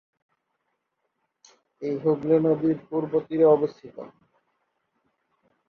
এটি হুগলি নদীর পূর্ব তীরে অবস্থিত।